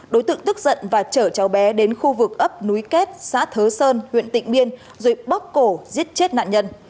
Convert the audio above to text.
đối tượng tức giận và chở cháu bé đến khu vực ấp núi kết xã thớ sơn huyện tịnh biên rồi bóc cổ giết chết nạn nhân